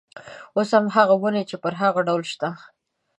اوس هم هغه ونې پر هغه ډول شته.